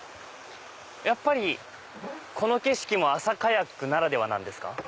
やっぱりこの景色も朝カヤックならではなんですか？